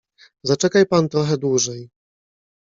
"Zaczekaj pan trochę dłużej."